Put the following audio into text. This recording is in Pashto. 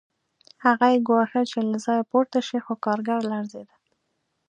هغه یې ګواښه چې له ځایه پورته شي خو کارګر لړزېده